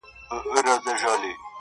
دغه راز یې د هارون